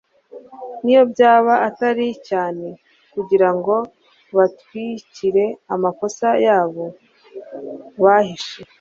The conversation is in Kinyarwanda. n'iyo byaba atari cyane, kugira ngo batwikire amakosa yabo, bahishe